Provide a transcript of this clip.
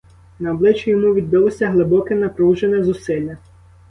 На обличчі йому відбилося глибоке, напружене зусилля.